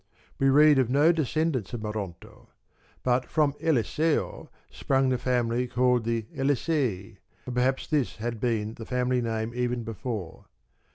We read of no descendants of Moronto ; but from Eliseo sprang the family called the Elisei, and perhaps this had been the family name even before.